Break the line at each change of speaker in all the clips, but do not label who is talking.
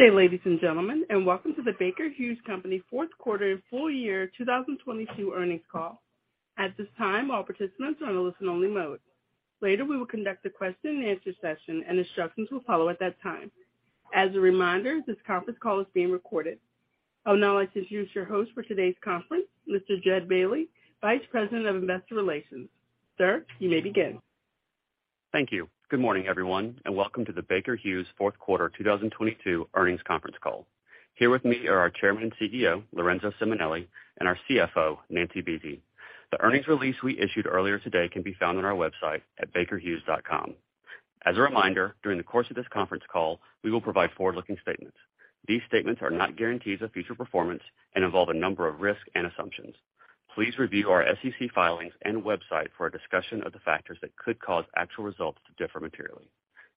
Good day, ladies and gentlemen, and welcome to the Baker Hughes company fourth quarter full year 2022 earnings call. At this time, all participants are in a listen only mode. Later, we will conduct a question and answer session and instructions will follow at that time. As a reminder, this conference call is being recorded. I'll now introduce your host for today's conference, Mr. Jud Bailey, Vice President of Investor Relations. Sir, you may begin.
Thank you. Good morning, everyone, welcome to the Baker Hughes fourth quarter 2022 earnings conference call. Here with me are our Chairman and CEO, Lorenzo Simonelli, and our CFO, Nancy Buese. The earnings release we issued earlier today can be found on our website at bakerhughes.com. As a reminder, during the course of this conference call, we will provide forward-looking statements. These statements are not guarantees of future performance and involve a number of risks and assumptions. Please review our SEC filings and website for a discussion of the factors that could cause actual results to differ materially.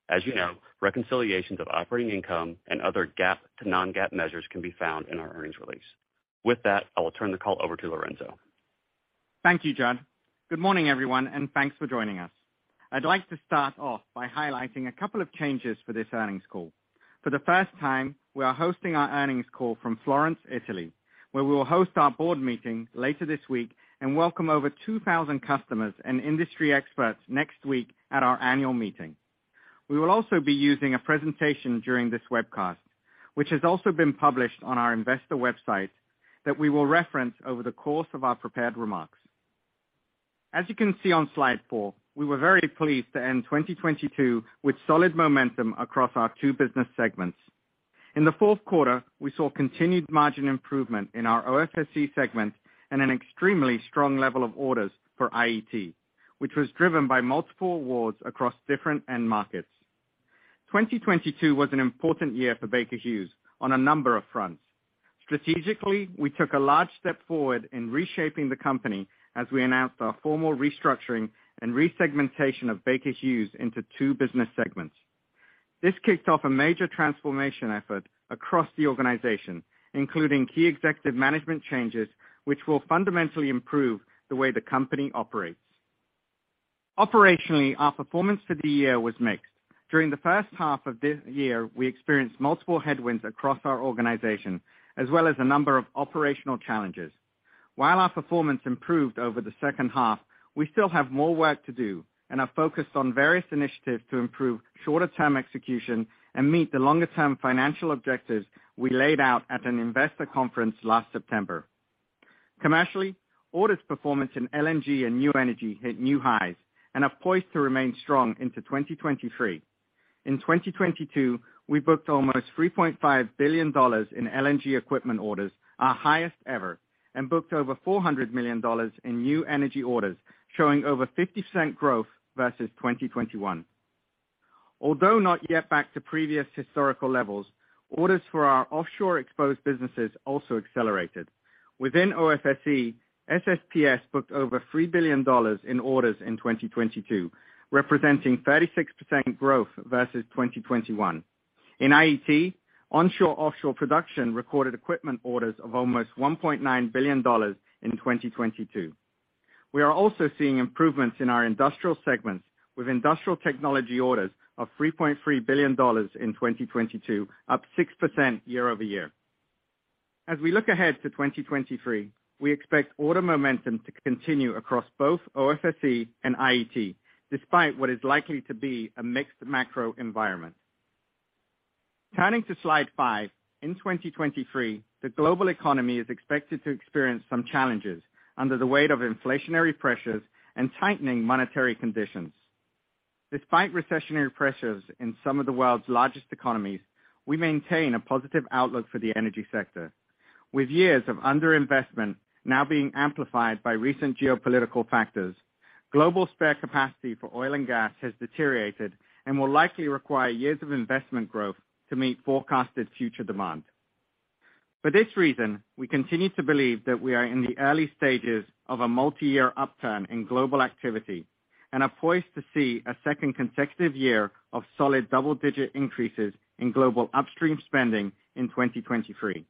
As you know, reconciliations of operating income and other GAAP to non-GAAP measures can be found in our earnings release. With that, I will turn the call over to Lorenzo.
Thank you, Jud. Good morning, everyone. Thanks for joining us. I'd like to start off by highlighting a couple of changes for this earnings call. For the first time, we are hosting our earnings call from Florence, Italy, where we will host our board meeting later this week and welcome over 2,000 customers and industry experts next week at our annual meeting. We will also be using a presentation during this webcast, which has also been published on our investor website that we will reference over the course of our prepared remarks. As you can see on slide four, we were very pleased to end 2022 with solid momentum across our two business segments. In the fourth quarter, we saw continued margin improvement in our OFSE segment and an extremely strong level of orders for IET, which was driven by multiple awards across different end markets. 2022 was an important year for Baker Hughes on a number of fronts. Strategically, we took a large step forward in reshaping the company as we announced our formal restructuring and resegmentation of Baker Hughes into two business segments. This kicked off a major transformation effort across the organization, including key executive management changes, which will fundamentally improve the way the company operates. Operationally, our performance for the year was mixed. During the first half of this year, we experienced multiple headwinds across our organization, as well as a number of operational challenges. While our performance improved over the second half, we still have more work to do and are focused on various initiatives to improve shorter-term execution and meet the longer-term financial objectives we laid out at an investor conference last September. Commercially, orders performance in LNG and new energy hit new highs and are poised to remain strong into 2023. In 2022, we booked almost $3.5 billion in LNG equipment orders, our highest ever, and booked over $400 million in new energy orders, showing over 50% growth versus 2021. Although not yet back to previous historical levels, orders for our offshore exposed businesses also accelerated. Within OFSE, SSPS booked over $3 billion in orders in 2022, representing 36% growth versus 2021. In IET, onshore-offshore production recorded equipment orders of almost $1.9 billion in 2022. We are also seeing improvements in our industrial segments with industrial technology orders of $3.3 billion in 2022, up 6% year-over-year. As we look ahead to 2023, we expect order momentum to continue across both OFSE and IET, despite what is likely to be a mixed macro environment. Turning to slide five, in 2023, the global economy is expected to experience some challenges under the weight of inflationary pressures and tightening monetary conditions. Despite recessionary pressures in some of the world's largest economies, we maintain a positive outlook for the energy sector. With years of under-investment now being amplified by recent geopolitical factors, global spare capacity for oil and gas has deteriorated and will likely require years of investment growth to meet forecasted future demand. For this reason, we continue to believe that we are in the early stages of a multi-year upturn in global activity and are poised to see a second consecutive year of solid double-digit increases in global upstream spending in 2023.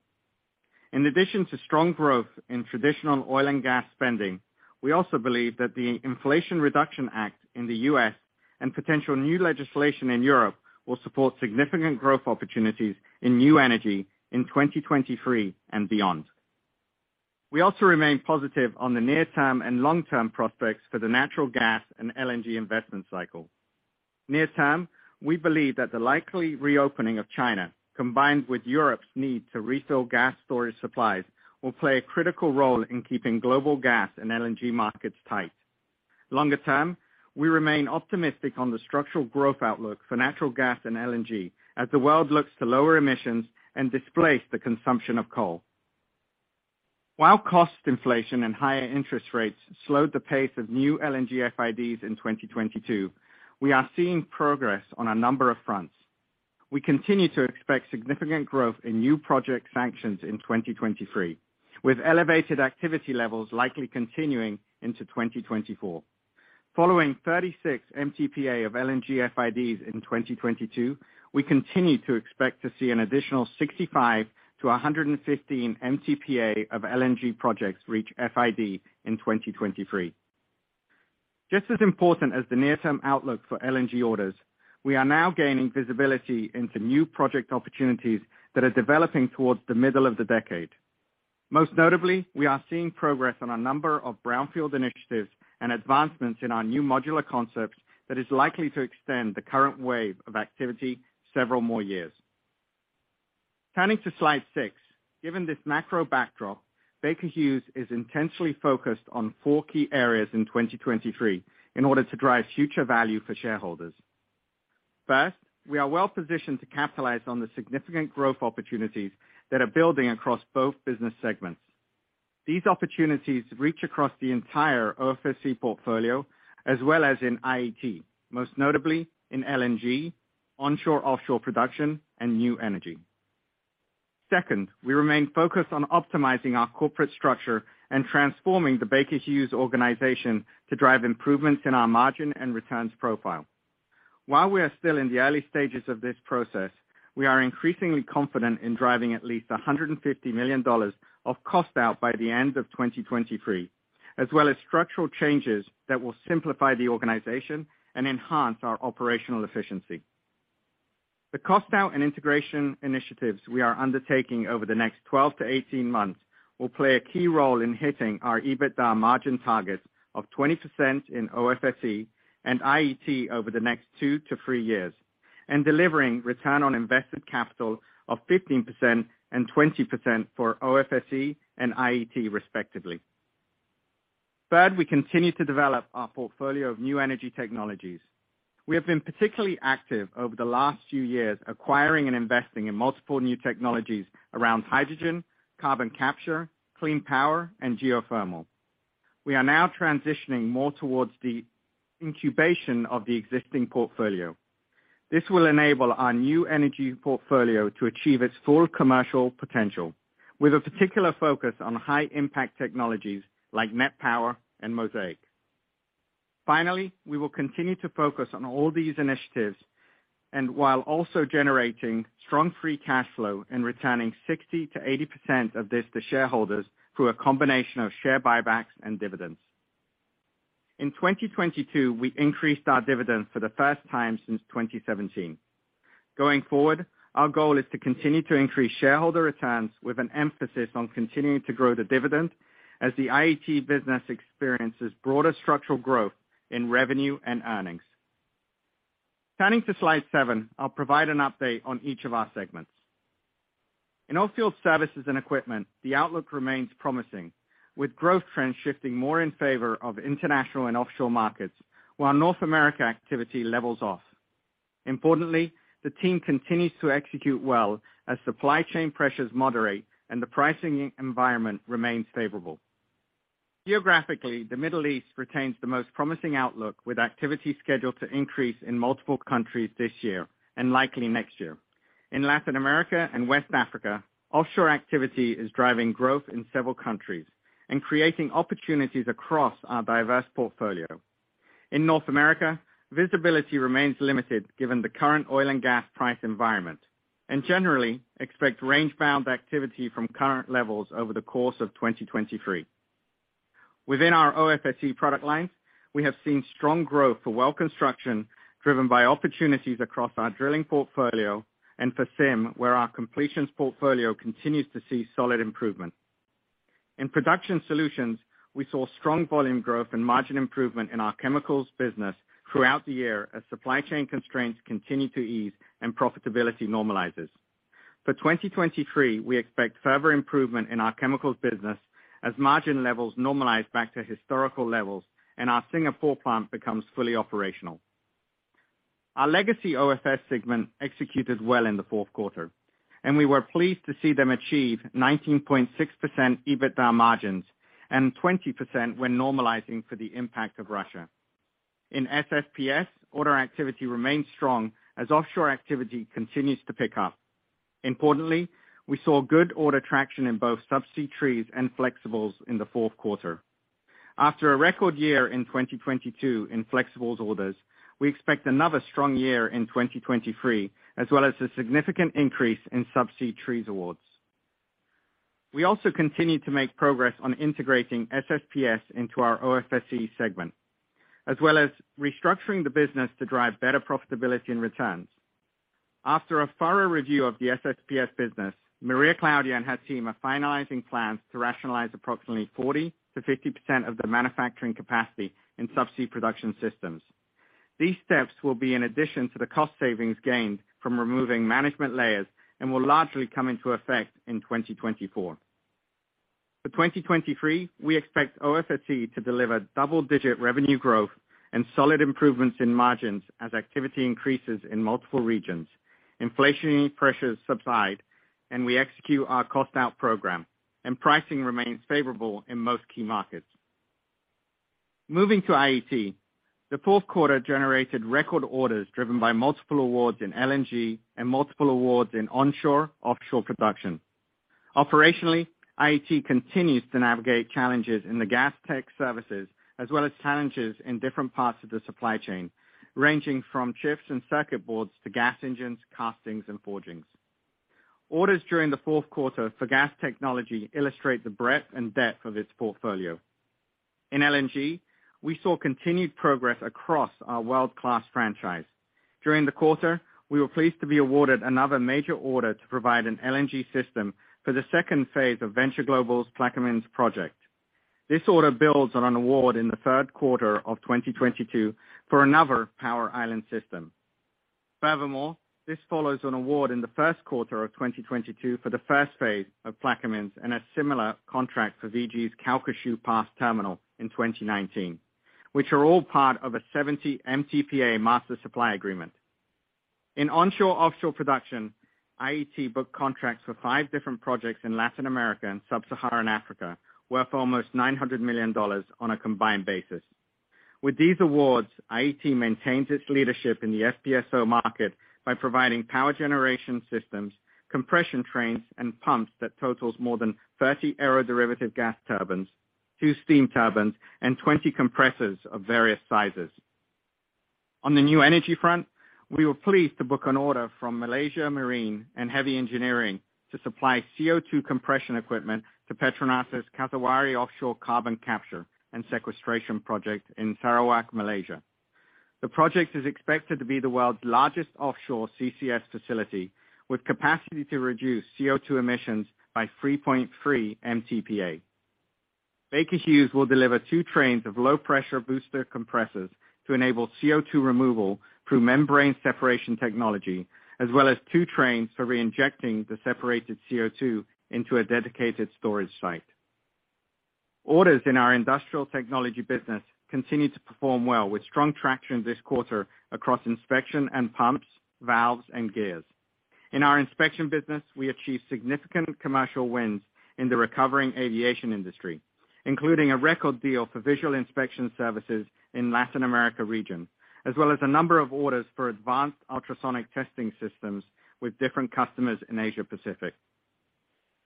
In addition to strong growth in traditional oil and gas spending, we also believe that the Inflation Reduction Act in the U.S. and potential new legislation in Europe will support significant growth opportunities in new energy in 2023 and beyond. We also remain positive on the near-term and long-term prospects for the natural gas and LNG investment cycle. Near term, we believe that the likely reopening of China, combined with Europe's need to refill gas storage supplies, will play a critical role in keeping global gas and LNG markets tight. Longer term, we remain optimistic on the structural growth outlook for natural gas and LNG as the world looks to lower emissions and displace the consumption of coal. While cost inflation and higher interest rates slowed the pace of new LNG FIDs in 2022, we are seeing progress on a number of fronts. We continue to expect significant growth in new project sanctions in 2023, with elevated activity levels likely continuing into 2024. Following 36 MTPA of LNG FIDs in 2022, we continue to expect to see an additional 65-115 MTPA of LNG projects reach FID in 2023. Just as important as the near-term outlook for LNG orders, we are now gaining visibility into new project opportunities that are developing towards the middle of the decade. Most notably, we are seeing progress on a number of brownfield initiatives and advancements in our new modular concepts that is likely to extend the current wave of activity several more years. Turning to slide 6. Given this macro backdrop, Baker Hughes is intentionally focused on four key areas in 2023 in order to drive future value for shareholders. First, we are well-positioned to capitalize on the significant growth opportunities that are building across both business segments. These opportunities reach across the entire OFSE portfolio as well as in IET, most notably in LNG, onshore-offshore production, and new energy. Second, we remain focused on optimizing our corporate structure and transforming the Baker Hughes organization to drive improvements in our margin and returns profile. While we are still in the early stages of this process, we are increasingly confident in driving at least $150 million of cost out by the end of 2023, as well as structural changes that will simplify the organization and enhance our operational efficiency. The cost out and integration initiatives we are undertaking over the next 12-18 months will play a key role in hitting our EBITDA margin targets of 20% in OFSE and IET over the next 2-3 years, and delivering return on investment capital of 15% and 20% for OFSE and IET, respectively. Third, we continue to develop our portfolio of new energy technologies. We have been particularly active over the last few years acquiring and investing in multiple new technologies around hydrogen, carbon capture, clean power, and geothermal. We are now transitioning more towards the incubation of the existing portfolio. This will enable our new energy portfolio to achieve its full commercial potential, with a particular focus on high impact technologies like NET Power and Mosaic. Finally, we will continue to focus on all these initiatives and while also generating strong free cash flow and returning 60-80% of this to shareholders through a combination of share buybacks and dividends. In 2022, we increased our dividends for the first time since 2017. Going forward, our goal is to continue to increase shareholder returns with an emphasis on continuing to grow the dividend as the IET business experiences broader structural growth in revenue and earnings. Turning to slide 7, I'll provide an update on each of our segments. In Oilfield Services & Equipment, the outlook remains promising, with growth trends shifting more in favor of international and offshore markets, while North America activity levels off. Importantly, the team continues to execute well as supply chain pressures moderate and the pricing e-environment remains favorable. Geographically, the Middle East retains the most promising outlook, with activity scheduled to increase in multiple countries this year and likely next year. In Latin America and West Africa, offshore activity is driving growth in several countries and creating opportunities across our diverse portfolio. In North America, visibility remains limited given the current oil and gas price environment, and generally expect range-bound activity from current levels over the course of 2023. Within our OFSE product lines, we have seen strong growth for well construction driven by opportunities across our drilling portfolio and for SIM, where our completions portfolio continues to see solid improvement. In production solutions, we saw strong volume growth and margin improvement in our chemicals business throughout the year as supply chain constraints continue to ease and profitability normalizes. For 2023, we expect further improvement in our chemicals business as margin levels normalize back to historical levels and our Singapore plant becomes fully operational. Our legacy OFS segment executed well in the fourth quarter, and we were pleased to see them achieve 19.6% EBITDA margins and 20% when normalizing for the impact of Russia. In SSPS, order activity remains strong as offshore activity continues to pick up. Importantly, we saw good order traction in both subsea trees and flexibles in the fourth quarter. After a record year in 2022 in flexibles orders, we expect another strong year in 2023, as well as a significant increase in subsea trees awards. We also continue to make progress on integrating SSPS into our OFSE segment, as well as restructuring the business to drive better profitability and returns. After a thorough review of the SSPS business, Maria Claudia and her team are finalizing plans to rationalize approximately 40-50% of the manufacturing capacity in subsea production systems. These steps will be in addition to the cost savings gained from removing management layers and will largely come into effect in 2024. For 2023, we expect OFSE to deliver double-digit revenue growth and solid improvements in margins as activity increases in multiple regions, inflationary pressures subside, and we execute our cost out program. Pricing remains favorable in most key markets. Moving to IET. The fourth quarter generated record orders driven by multiple awards in LNG and multiple awards in onshore/offshore production. Operationally, IET continues to navigate challenges in the Gas Technology Services, as well as challenges in different parts of the supply chain, ranging from chips and circuit boards to gas engines, castings, and forgings. Orders during the fourth quarter for gas technology illustrate the breadth and depth of its portfolio. In LNG, we saw continued progress across our world-class franchise. During the quarter, we were pleased to be awarded another major order to provide an LNG system for the second phase of Venture Global's Plaquemines project. This order builds on an award in the third quarter of 2022 for another power island system. This follows an award in the first quarter of 2022 for the first phase of Plaquemines and a similar contract for VG's Calcasieu Pass terminal in 2019, which are all part of a 70 mtpa master supply agreement. In onshore/offshore production, IET booked contracts for five different projects in Latin America and Sub-Saharan Africa worth almost $900 million on a combined basis. With these awards, IET maintains its leadership in the FPSO market by providing power generation systems, compression trains, and pumps that totals more than 30 aeroderivative gas turbines, 2 steam turbines, and 20 compressors of various sizes. On the new energy front, we were pleased to book an order from Malaysia Marine and Heavy Engineering to supply CO₂ compression equipment to PETRONAS's Kasawari offshore carbon capture and sequestration project in Sarawak, Malaysia. The project is expected to be the world's largest offshore CCS facility, with capacity to reduce CO₂ emissions by 3.3 mtpa. Baker Hughes will deliver two trains of low pressure booster compressors to enable CO₂ removal through membrane separation technology, as well as two trains for reinjecting the separated CO₂ into a dedicated storage site. Orders in our industrial technology business continued to perform well, with strong traction this quarter across inspection and pumps, valves, and gears. In our inspection business, we achieved significant commercial wins in the recovering aviation industry, including a record deal for visual inspection services in Latin America region, as well as a number of orders for advanced ultrasonic testing systems with different customers in Asia Pacific.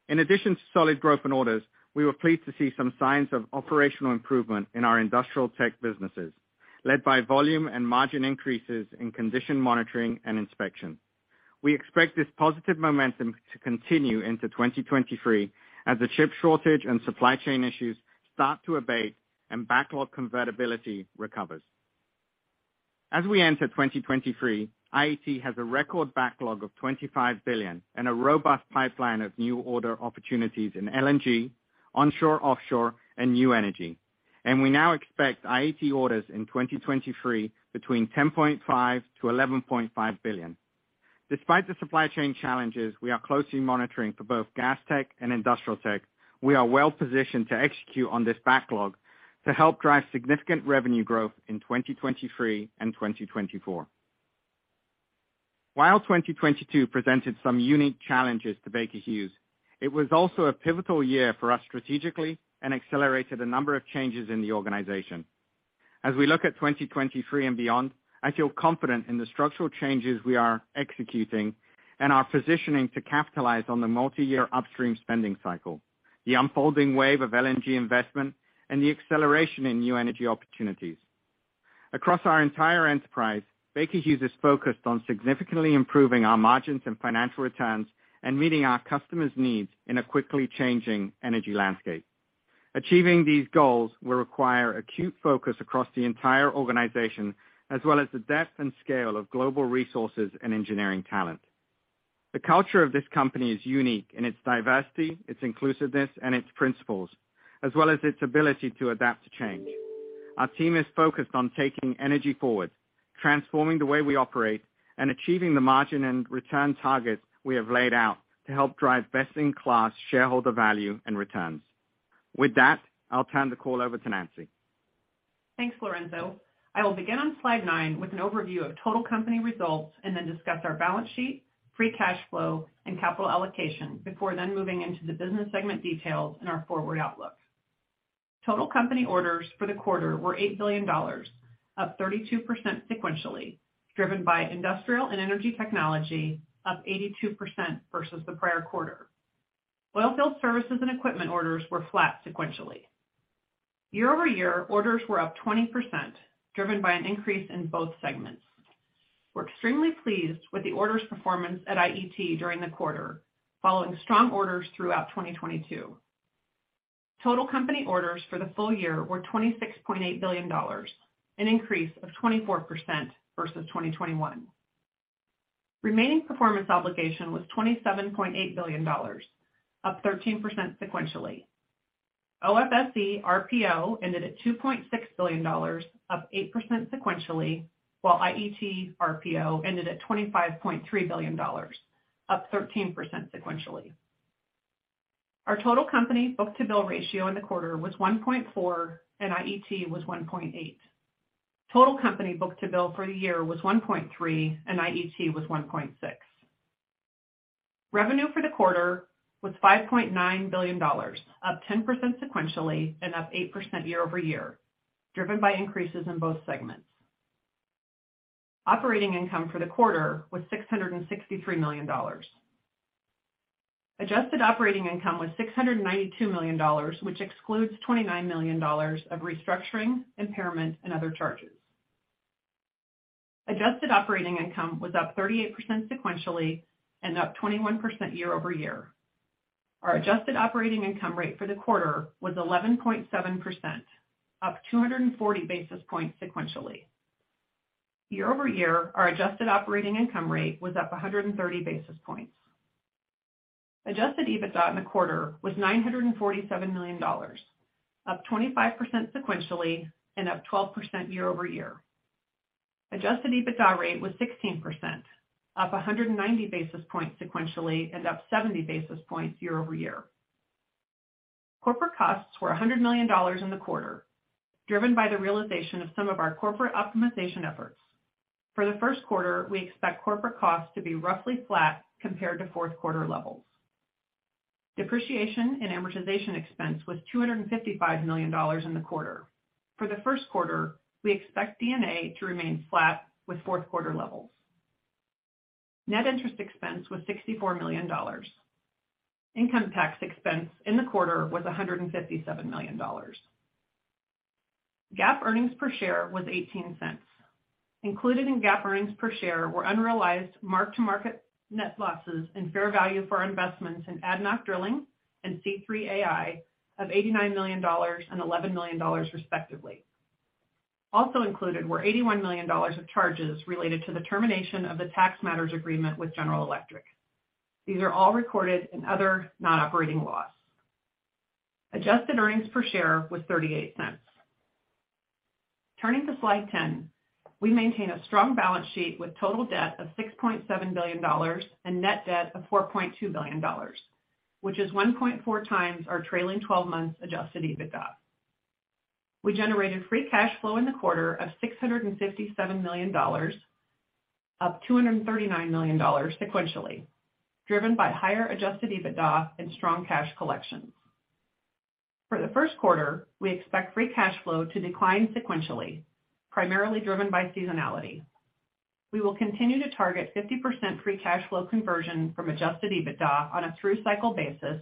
In addition to solid growth in orders, we were pleased to see some signs of operational improvement in our industrial tech businesses, led by volume and margin increases in condition monitoring and inspection. We expect this positive momentum to continue into 2023 as the chip shortage and supply chain issues start to abate and backlog convertibility recovers. We enter 2023, IET has a record backlog of $25 billion and a robust pipeline of new order opportunities in LNG, onshore/offshore, and new energy. We now expect IET orders in 2023 between $10.5-11.5 billion. Despite the supply chain challenges we are closely monitoring for both Gas Tech and Industrial Tech, we are well positioned to execute on this backlog to help drive significant revenue growth in 2023 and 2024. While 2022 presented some unique challenges to Baker Hughes, it was also a pivotal year for us strategically and accelerated a number of changes in the organization. As we look at 2023 and beyond, I feel confident in the structural changes we are executing and are positioning to capitalize on the multi-year upstream spending cycle, the unfolding wave of LNG investment, and the acceleration in new energy opportunities. Across our entire enterprise, Baker Hughes is focused on significantly improving our margins and financial returns and meeting our customers' needs in a quickly changing energy landscape. Achieving these goals will require acute focus across the entire organization, as well as the depth and scale of global resources and engineering talent. The culture of this company is unique in its diversity, its inclusiveness, and its principles, as well as its ability to adapt to change. Our team is focused on taking energy forward, transforming the way we operate, and achieving the margin and return targets we have laid out to help drive best-in-class shareholder value and returns. With that, I'll turn the call over to Nancy.
Thanks, Lorenzo. I will begin on slide nine with an overview of total company results and then discuss our balance sheet, free cash flow, and capital allocation before then moving into the business segment details and our forward outlook. Total company orders for the quarter were $8 billion, up 32% sequentially, driven by Industrial & Energy Technology, up 82% versus the prior quarter. Oilfield Services & Equipment orders were flat sequentially. Year-over-year, orders were up 20%, driven by an increase in both segments. We're extremely pleased with the orders performance at IET during the quarter, following strong orders throughout 2022. Total company orders for the full year were $26.8 billion, an increase of 24% versus 2021. Remaining performance obligation was $27.8 billion, up 13% sequentially. OFSE RPO ended at $2.6 billion, up 8% sequentially, while IET RPO ended at $25.3 billion, up 13% sequentially. Our total company book-to-bill ratio in the quarter was 1.4, and IET was 1.8. Total company book-to-bill for the year was 1.3, and IET was 1.6. Revenue for the quarter was $5.9 billion, up 10% sequentially and up 8% year-over-year, driven by increases in both segments. Operating income for the quarter was $663 million. Adjusted operating income was $692 million, which excludes $29 million of restructuring, impairment, and other charges. Adjusted operating income was up 38% sequentially and up 21% year-over-year. Our adjusted operating income rate for the quarter was 11.7%, up 240 basis points sequentially. year-over-year, our adjusted operating income rate was up 130 basis points. Adjusted EBITDA in the quarter was $947 million, up 25% sequentially and up 12% year-over-year. Adjusted EBITDA rate was 16%, up 190 basis points sequentially and up 70 basis points year-over-year. Corporate costs were $100 million in the quarter, driven by the realization of some of our corporate optimization efforts. For the first quarter, we expect corporate costs to be roughly flat compared to fourth quarter levels. Depreciation and amortization expense was $255 million in the quarter. For the first quarter, we expect D&A to remain flat with fourth quarter levels. Net interest expense was $64 million. Income tax expense in the quarter was $157 million. GAAP earnings per share was $0.18. Included in GAAP earnings per share were unrealized mark-to-market net losses and fair value for our investments in ADNOC Drilling and C3.ai of $89 million and $11 million, respectively. Included were $81 million of charges related to the termination of the Tax Matters Agreement with General Electric. These are all recorded in other non-operating loss. Adjusted earnings per share was $0.38. Turning to slide 10, we maintain a strong balance sheet with total debt of $6.7 billion and net debt of $4.2 billion, which is 1.4 times our trailing 12 months Adjusted EBITDA. We generated free cash flow in the quarter of $657 million, up $239 million sequentially, driven by higher Adjusted EBITDA and strong cash collections. For the first quarter, we expect free cash flow to decline sequentially, primarily driven by seasonality. We will continue to target 50% free cash flow conversion from Adjusted EBITDA on a through cycle basis,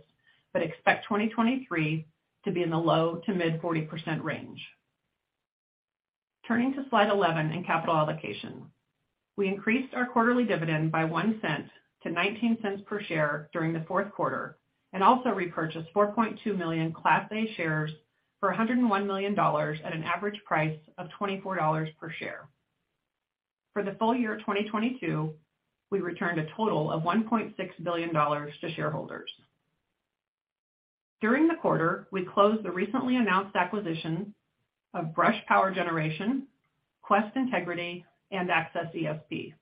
but expect 2023 to be in the low to mid 40% range. Turning to slide 11 in capital allocation. We increased our quarterly dividend by $0.01 to $0.19 per share during the fourth quarter and also repurchased 4.2 million Class A shares for $101 million at an average price of $24 per share. For the full year 2022, we returned a total of $1.6 billion to shareholders. During the quarter, we closed the recently announced acquisition of BRUSH Power Generation, Quest Integrity, and AccessESP.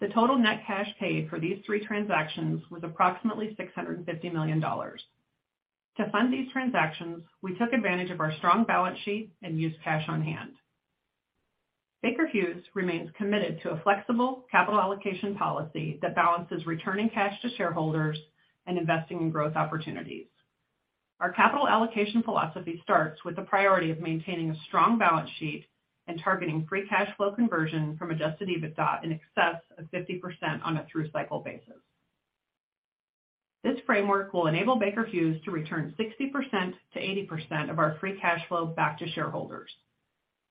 The total net cash paid for these three transactions was approximately $650 million. To fund these transactions, we took advantage of our strong balance sheet and used cash on hand. Baker Hughes remains committed to a flexible capital allocation policy that balances returning cash to shareholders and investing in growth opportunities. Our capital allocation philosophy starts with the priority of maintaining a strong balance sheet and targeting free cash flow conversion from Adjusted EBITDA in excess of 50% on a through cycle basis. This framework will enable Baker Hughes to return 60-80% of our free cash flow back to shareholders.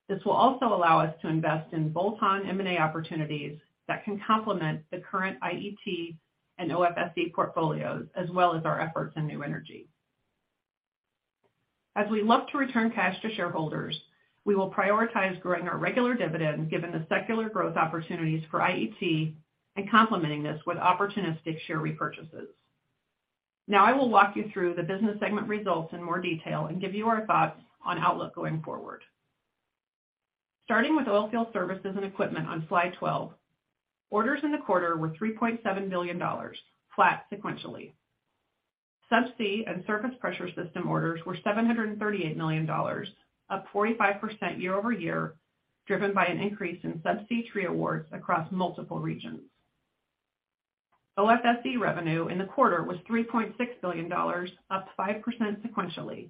This will also allow us to invest in bolt-on M&A opportunities that can complement the current IET and OFSE portfolios, as well as our efforts in new energy. As we look to return cash to shareholders, we will prioritize growing our regular dividend given the secular growth opportunities for IET and complementing this with opportunistic share repurchases. Now, I will walk you through the business segment results in more detail and give you our thoughts on outlook going forward. Starting with Oilfield Services & Equipment on slide 12. Orders in the quarter were $3.7 billion, flat sequentially. Subsea and Surface Pressure System orders were $738 million, up 45% year-over-year, driven by an increase in subsea tree awards across multiple regions. OFSE revenue in the quarter was $3.6 billion, up 5% sequentially,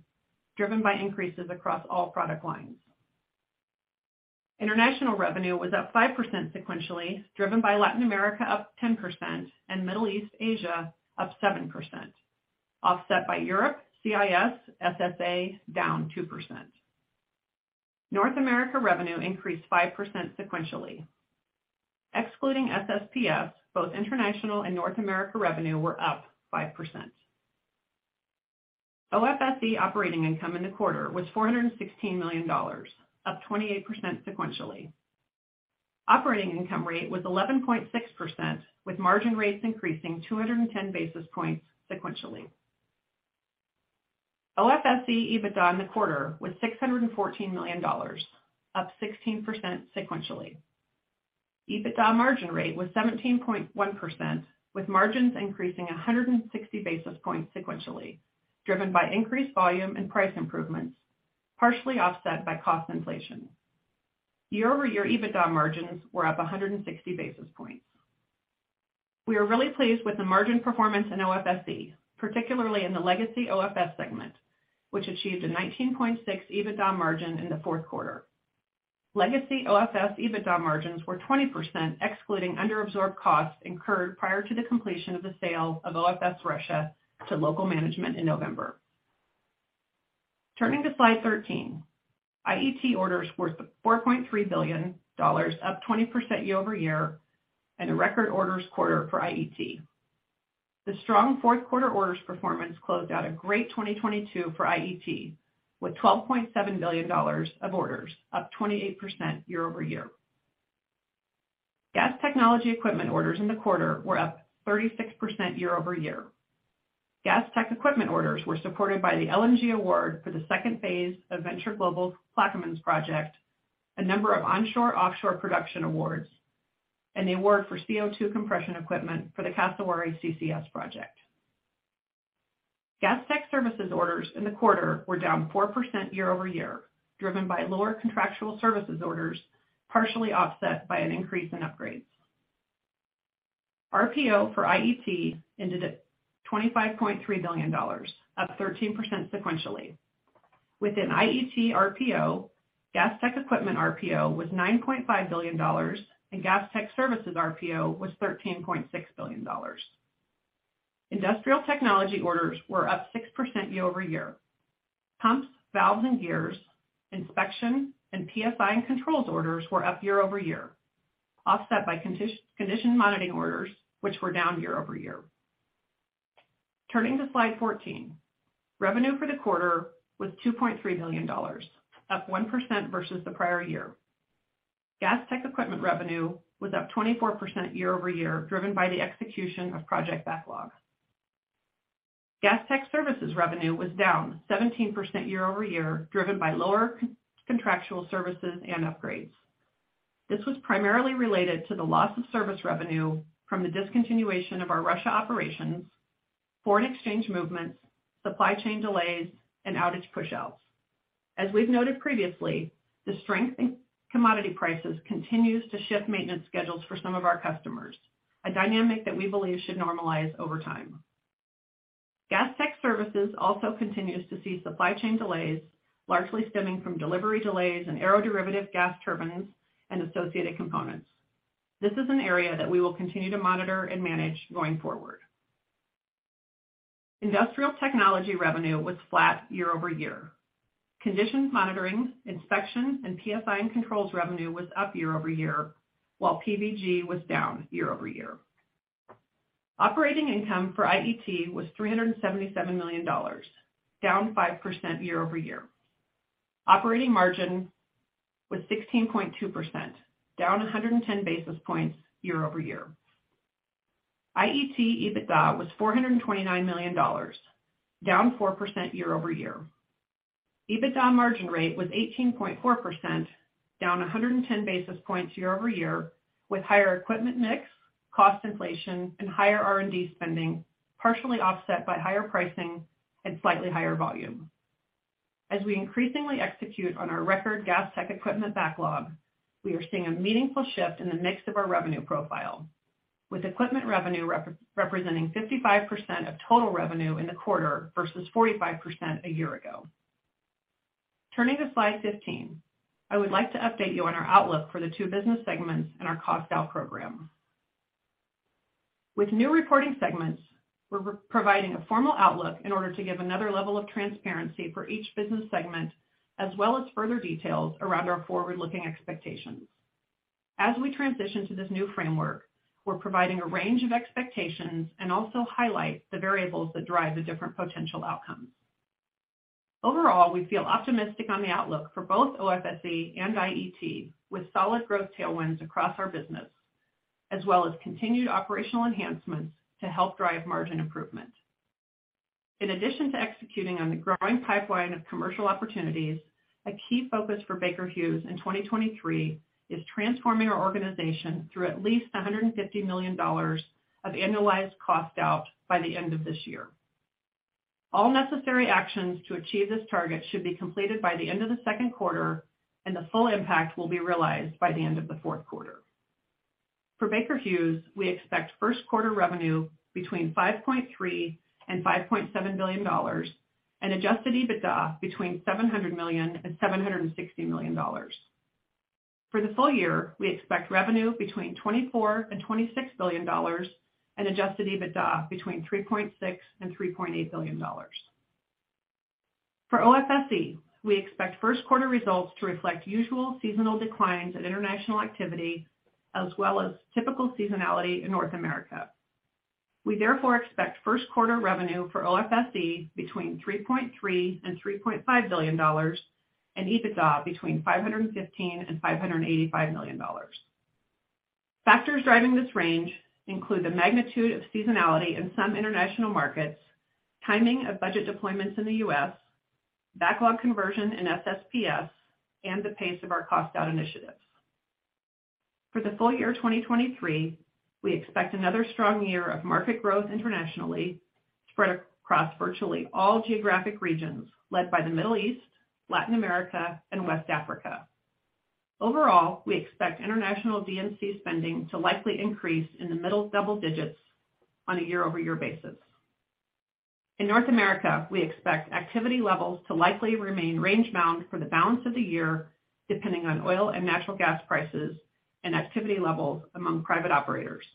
driven by increases across all product lines. International revenue was up 5% sequentially, driven by Latin America up 10% and Middle East Asia up 7%, offset by Europe, CIS, SSA down 2%. North America revenue increased 5% sequentially. Excluding SSPS, both international and North America revenue were up 5%. OFSE operating income in the quarter was $416 million, up 28% sequentially. Operating income rate was 11.6%, with margin rates increasing 210 basis points sequentially. OFSE EBITDA in the quarter was $614 million, up 16% sequentially. EBITDA margin rate was 17.1%, with margins increasing 160 basis points sequentially, driven by increased volume and price improvements, partially offset by cost inflation. Year-over-year, EBITDA margins were up 160 basis points. We are really pleased with the margin performance in OFSE, particularly in the legacy OFS segment, which achieved a 19.6% EBITDA margin in the fourth quarter. Legacy OFS EBITDA margins were 20%, excluding underabsorbed costs incurred prior to the completion of the sale of OFS Russia to local management in November. Turning to slide 13. IET orders were at $4.3 billion, up 20% year-over-year and a record orders quarter for IET. The strong fourth quarter orders performance closed out a great 2022 for IET with $12.7 billion of orders, up 28% year-over-year. Gas Technology Equipment orders in the quarter were up 36% year-over-year. Gas Technology Equipment orders were supported by the LNG award for the second phase of Venture Global's Plaquemines project, a number of onshore-offshore production awards, and the award for CO₂ compression equipment for the Kasawari CCS project. Gas Technology Services orders in the quarter were down 4% year-over-year, driven by lower contractual services orders, partially offset by an increase in upgrades. RPO for IET ended at $25.3 billion, up 13% sequentially. Within IET RPO, Gas Technology Equipment RPO was $9.5 billion and Gas Technology Services RPO was $13.6 billion. Industrial Technology orders were up 6% year-over-year. Pumps, valves and gears, inspection, and PSI and controls orders were up year-over-year, offset by condition monitoring orders, which were down year-over-year. Turning to slide 14. Revenue for the quarter was $2.3 billion, up 1% versus the prior year. Gas Tech Equipment revenue was up 24% year-over-year, driven by the execution of project backlog. Gas Tech Services revenue was down 17% year-over-year, driven by lower contractual services and upgrades. This was primarily related to the loss of service revenue from the discontinuation of our Russia operations, foreign exchange movements, supply chain delays, and outage pushouts. As we've noted previously, the strength in commodity prices continues to shift maintenance schedules for some of our customers, a dynamic that we believe should normalize over time. Gas tech services also continues to see supply chain delays, largely stemming from delivery delays in aeroderivative gas turbines and associated components. This is an area that we will continue to monitor and manage going forward. Industrial technology revenue was flat year-over-year. condition monitoring, inspection, and PSI and controls revenue was up year-over-year, while PVG was down year-over-year. Operating income for IET was $377 million, down 5% year-over-year. Operating margin was 16.2%, down 110 basis points year-over-year. IET EBITDA was $429 million, down 4% year-over-year. EBITDA margin rate was 18.4%, down 110 basis points year-over-year, with higher equipment mix, cost inflation, and higher R&D spending, partially offset by higher pricing and slightly higher volume. As we increasingly execute on our record Gas Technology Equipment backlog, we are seeing a meaningful shift in the mix of our revenue profile, with equipment revenue representing 55% of total revenue in the quarter versus 45% a year ago. Turning to slide 15. I would like to update you on our outlook for the two business segments and our cost out program. With new reporting segments, we're providing a formal outlook in order to give another level of transparency for each business segment, as well as further details around our forward-looking expectations. As we transition to this new framework, we're providing a range of expectations and also highlight the variables that drive the different potential outcomes. Overall, we feel optimistic on the outlook for both OFSE and IET, with solid growth tailwinds across our business, as well as continued operational enhancements to help drive margin improvement. In addition to executing on the growing pipeline of commercial opportunities, a key focus for Baker Hughes in 2023 is transforming our organization through at least $150 million of annualized cost out by the end of this year. All necessary actions to achieve this target should be completed by the end of the 2nd quarter, and the full impact will be realized by the end of the 4th quarter. For Baker Hughes, we expect 1st quarter revenue between $5.3 billion and $5.7 billion and Adjusted EBITDA between $700 million and $760 million. For the full year, we expect revenue between $24 billion and $26 billion and Adjusted EBITDA between $3.6 billion and $3.8 billion. For OFSE, we expect first quarter results to reflect usual seasonal declines in international activity as well as typical seasonality in North America. We therefore expect first quarter revenue for OFSE between $3.3 billion and $3.5 billion and EBITDA between $515 million and $585 million. Factors driving this range include the magnitude of seasonality in some international markets, timing of budget deployments in the U.S., backlog conversion in SSPS, and the pace of our cost out initiatives. For the full year 2023, we expect another strong year of market growth internationally, spread across virtually all geographic regions, led by the Middle East, Latin America, and West Africa. Overall, we expect international D&C spending to likely increase in the middle double digits on a year-over-year basis. In North America, we expect activity levels to likely remain range-bound for the balance of the year, depending on oil and natural gas prices and activity levels among private operators.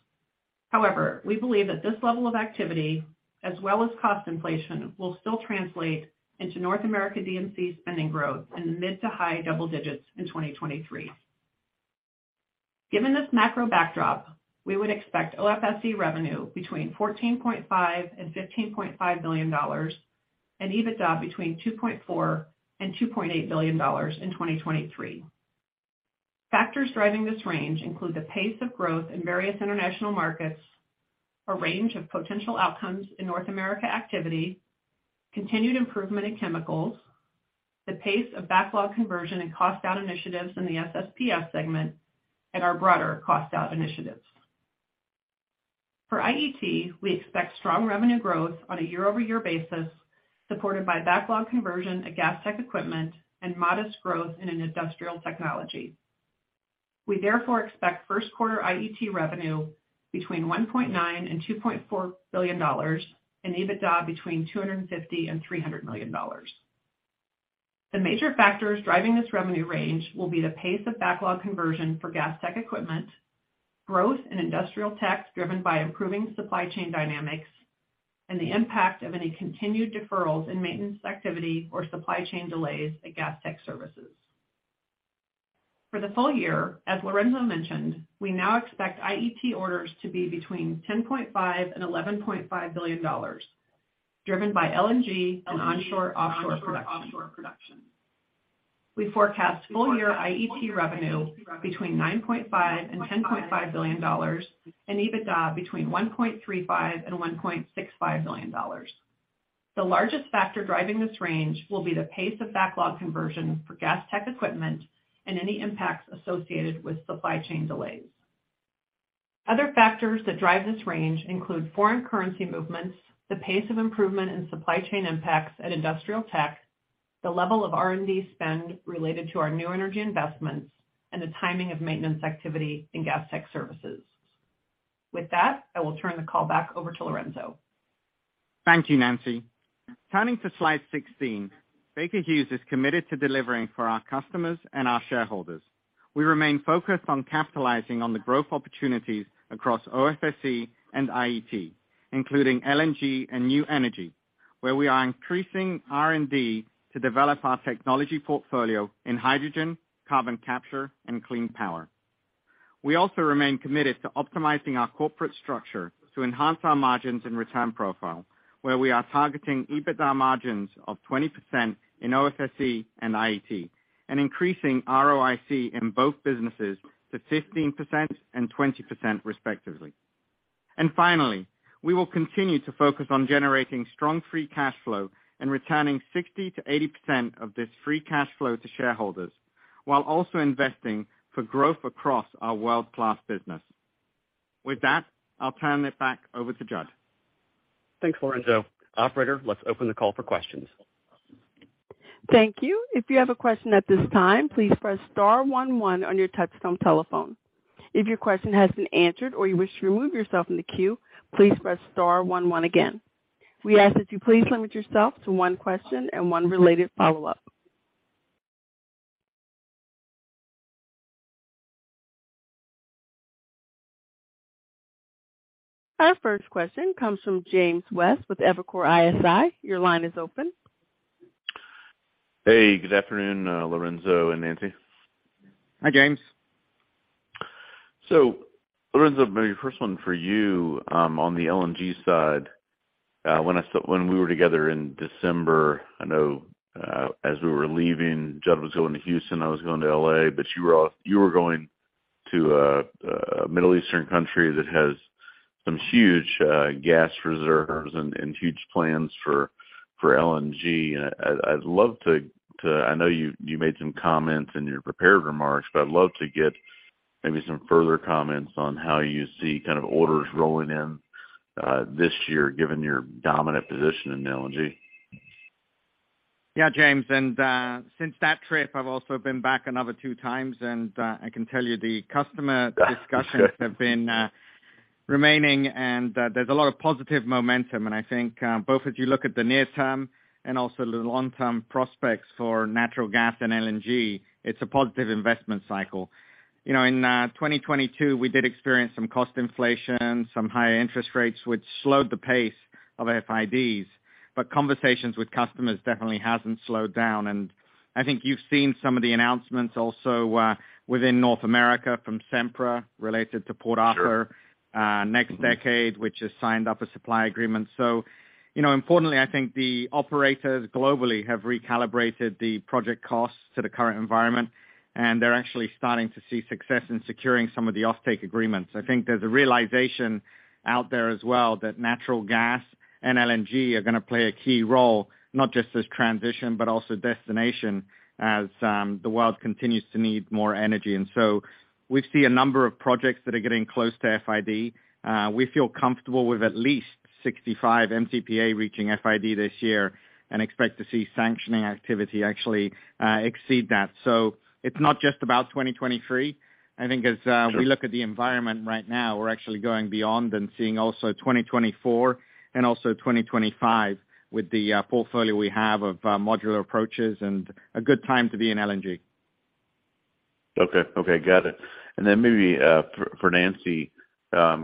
However, we believe that this level of activity, as well as cost inflation, will still translate into North America D&C spending growth in the mid to high double digits in 2023. Given this macro backdrop, we would expect OFSE revenue between $14.5 billion-$15.5 billion and EBITDA between $2.4 billion-$2.8 billion in 2023. Factors driving this range include the pace of growth in various international markets, a range of potential outcomes in North America activity, continued improvement in chemicals, the pace of backlog conversion and cost down initiatives in the SSPS segment, and our broader cost down initiatives. For IET, we expect strong revenue growth on a year-over-year basis, supported by backlog conversion at Gas Technology Equipment and modest growth in an industrial technology. We expect first quarter IET revenue between $1.9 billion and $2.4 billion and EBITDA between $250 million and $300 million. The major factors driving this revenue range will be the pace of backlog conversion for Gas Technology Equipment, growth in Industrial Tech driven by improving supply chain dynamics, and the impact of any continued deferrals in maintenance activity or supply chain delays at Gas Technology Services. For the full year, as Lorenzo mentioned, we now expect IET orders to be between $10.5 billion and $11.5 billion, driven by LNG and onshore offshore production. We forecast full year IET revenue between $9.5 billion and $10.5 billion and EBITDA between $1.35 billion and $1.65 billion. The largest factor driving this range will be the pace of backlog conversion for gas tech equipment and any impacts associated with supply chain delays. Other factors that drive this range include foreign currency movements, the pace of improvement in supply chain impacts at industrial tech, the level of R&D spend related to our new energy investments, and the timing of maintenance activity in gas tech services. With that, I will turn the call back over to Lorenzo.
Thank you, Nancy. Turning to slide 16, Baker Hughes is committed to delivering for our customers and our shareholders. We remain focused on capitalizing on the growth opportunities across OFSE and IET, including LNG and new energy, where we are increasing R&D to develop our technology portfolio in hydrogen, carbon capture and clean power. We also remain committed to optimizing our corporate structure to enhance our margins and return profile, where we are targeting EBITDA margins of 20% in OFSE and IET and increasing ROIC in both businesses to 15% and 20% respectively. Finally, we will continue to focus on generating strong free cash flow and returning 60%-80% of this free cash flow to shareholders while also investing for growth across our world-class business. With that, I'll turn it back over to Jud.
Thanks, Lorenzo. Operator, let's open the call for questions.
Thank you. If you have a question at this time, please press star one one on your touch tone telephone. If your question has been answered or you wish to remove yourself from the queue, please press star one one again. We ask that you please limit yourself to one question and one related follow-up. Our first question comes from James West with Evercore ISI. Your line is open.
Hey, good afternoon, Lorenzo and Nancy.
Hi, James.
Lorenzo, maybe first one for you, on the LNG side. When we were together in December, I know, as we were leaving, Jud was going to Houston, I was going to L.A., you were going to a Middle Eastern country that has some huge gas reserves and huge plans for LNG. I know you made some comments in your prepared remarks, but I'd love to get maybe some further comments on how you see kind of orders rolling in this year, given your dominant position in LNG.
Yeah, James. Since that trip, I've also been back another two times, I can tell you the customer discussions have been, remaining and, there's a lot of positive momentum. I think both as you look at the near term and also the long-term prospects for natural gas and LNG, it's a positive investment cycle. You know, in, 2022, we did experience some cost inflation, some higher interest rates, which slowed the pace of FIDs, but conversations with customers definitely hasn't slowed down. I think you've seen some of the announcements also, within North America from Sempra related to Port Arthur...
Sure.
NextDecade, which has signed up a supply agreement. You know, importantly, I think the operators globally have recalibrated the project costs to the current environment, and they're actually starting to see success in securing some of the offtake agreements. I think there's a realization out there as well that natural gas and LNG are gonna play a key role, not just as transition, but also destination as the world continues to need more energy. We see a number of projects that are getting close to FID. We feel comfortable with at least 65 mtpa reaching FID this year and expect to see sanctioning activity actually exceed that. It's not just about 2023. I think as we look at the environment right now, we're actually going beyond and seeing also 2024 and also 2025 with the portfolio we have of modular approaches and a good time to be in LNG.
Okay. Okay, got it. Then maybe, for Nancy,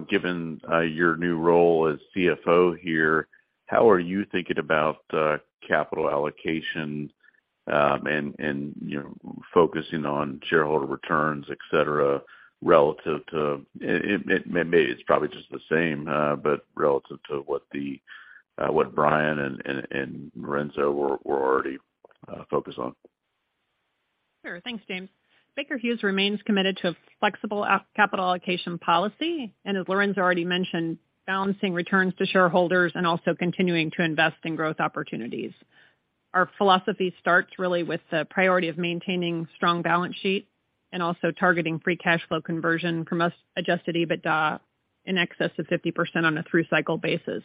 given your new role as CFO here, how are you thinking about capital allocation, and, you know, focusing on shareholder returns, et cetera, relative to. It's probably just the same, but relative to what Brian and Lorenzo were already focused on.
Sure. Thanks, James. Baker Hughes remains committed to a flexible capital allocation policy, and as Lorenzo already mentioned, balancing returns to shareholders and also continuing to invest in growth opportunities. Our philosophy starts really with the priority of maintaining strong balance sheet and also targeting free cash flow conversion from us, Adjusted EBITDA in excess of 50% on a through cycle basis.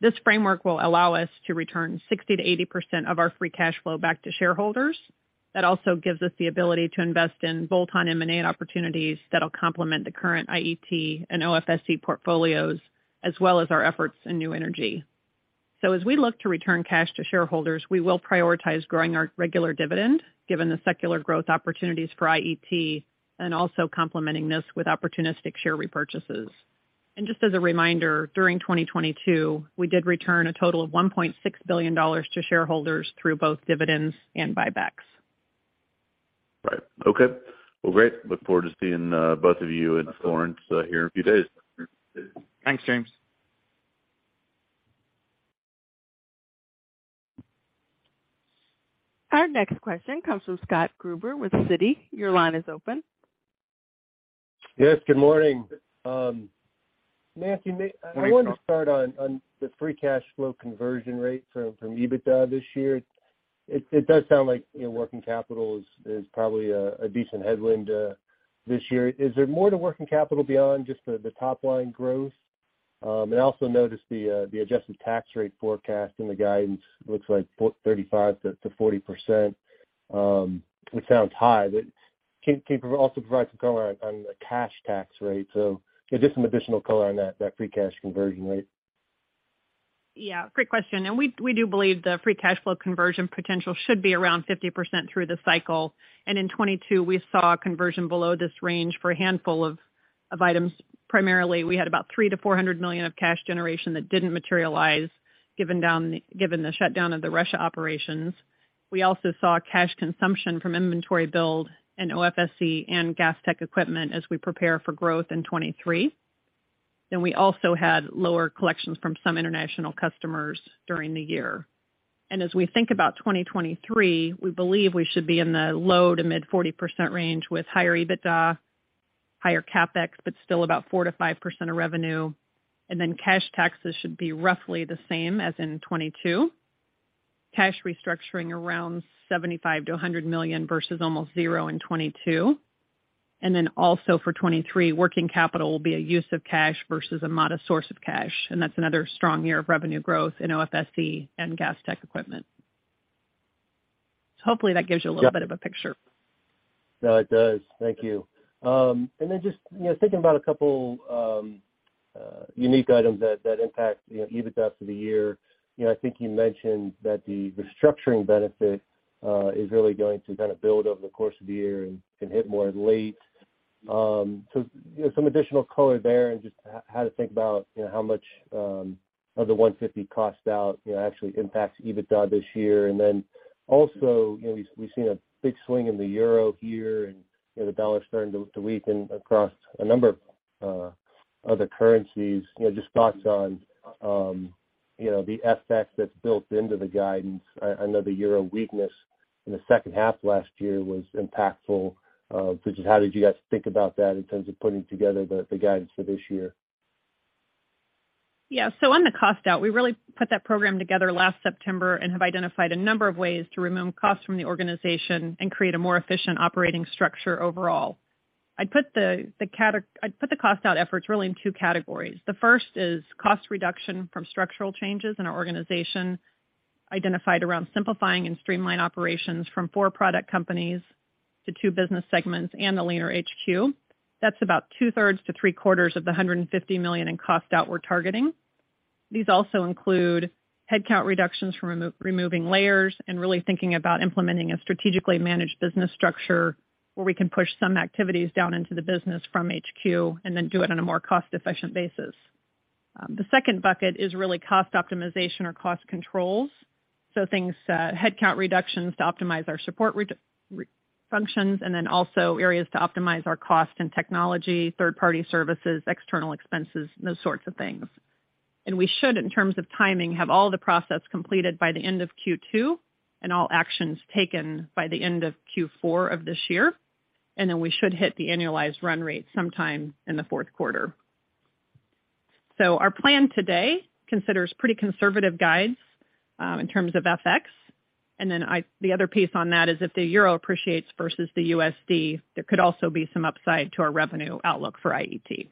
This framework will allow us to return 60-80% of our free cash flow back to shareholders. also gives us the ability to invest in bolt-on M&A opportunities that'll complement the current IET and OFSE portfolios, as well as our efforts in new energy. As we look to return cash to shareholders, we will prioritize growing our regular dividend, given the secular growth opportunities for IET, and also complementing this with opportunistic share repurchases. Just as a reminder, during 2022, we did return a total of $1.6 billion to shareholders through both dividends and buybacks.
Right. Okay. Well, great. Look forward to seeing both of you in Florence here in a few days.
Thanks, James.
Our next question comes from Scott Gruber with Citi. Your line is open.
Yes, good morning. Nancy,
Morning, Scott.
I wanted to start on the free cash flow conversion rate from EBITDA this year. It, it does sound like, you know, working capital is probably a decent headwind this year. Is there more to working capital beyond just the top line growth? I also noticed the adjusted tax rate forecast in the guidance looks like for 35-40%, which sounds high. Can you also provide some color on the cash tax rate? Just some additional color on that free cash conversion rate.
We do believe the free cash flow conversion potential should be around 50% through the cycle. In 2022, we saw a conversion below this range for a handful of items. Primarily, we had about $300 million-$400 million of cash generation that didn't materialize given the shutdown of the Russia operations. We also saw cash consumption from inventory build and OFSE and Gas Technology Equipment as we prepare for growth in 2023. We also had lower collections from some international customers during the year. As we think about 2023, we believe we should be in the low to mid 40% range with higher EBITDA, higher CapEx, but still about 4-5% of revenue. Cash taxes should be roughly the same as in 2022. Cash restructuring around $75-100 million versus almost zero in 2022. Also for 2023, working capital will be a use of cash versus a modest source of cash, and that's another strong year of revenue growth in OFSE and Gas Technology Equipment. Hopefully that gives you a little bit of a picture.
No, it does. Thank you. Just, you know, thinking about a couple unique items that impact, you know, EBITDA for the year. You know, I think you mentioned that the restructuring benefit is really going to kind of build over the course of the year and can hit more late. You know, some additional color there and just how to think about, you know, how much of the 150 cost out, you know, actually impacts EBITDA this year. Also, you know, we've seen a big swing in the euro here and, you know, the dollar starting to weaken across a number of other currencies. You know, just thoughts on, you know, the FX that's built into the guidance. I know the Euro weakness in the second half last year was impactful, just how did you guys think about that in terms of putting together the guidance for this year?
On the cost out, we really put that program together last September and have identified a number of ways to remove costs from the organization and create a more efficient operating structure overall. I'd put the cost out efforts really in two categories. The first is cost reduction from structural changes in our organization, identified around simplifying and streamline operations from four product companies to two business segments and a leaner HQ. That's about two-thirds to three-quarters of the $150 million in cost out we're targeting. These also include headcount reductions from removing layers and really thinking about implementing a strategically managed business structure where we can push some activities down into the business from HQ and then do it on a more cost-efficient basis. The second bucket is really cost optimization or cost controls. Things, headcount reductions to optimize our support functions, and then also areas to optimize our cost and technology, third-party services, external expenses, those sorts of things. We should, in terms of timing, have all the process completed by the end of Q2 and all actions taken by the end of Q4 of this year, and then we should hit the annualized run rate sometime in the fourth quarter. Our plan today considers pretty conservative guides in terms of FX. Then the other piece on that is if the euro appreciates versus the USD, there could also be some upside to our revenue outlook for IET.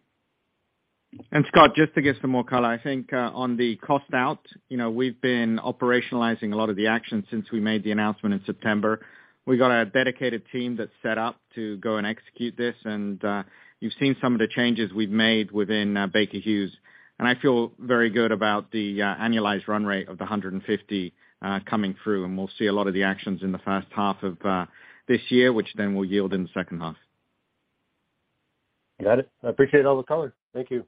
Scott, just to give some more color, I think, on the cost out, you know, we've been operationalizing a lot of the actions since we made the announcement in September. We've got a dedicated team that's set up to go and execute this, and you've seen some of the changes we've made within Baker Hughes. I feel very good about the annualized run rate of the $150 coming through, and we'll see a lot of the actions in the first half of this year, which then will yield in the second half.
Got it. I appreciate all the color. Thank you.